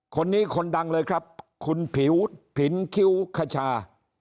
คนนี้คนดังเลยครับคุณผิวผินคิ้วขชา